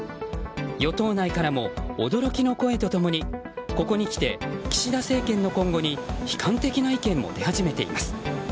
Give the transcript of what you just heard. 与党内からも驚きの声と共にここにきて岸田政権の今後に悲観的な意見も出始めています。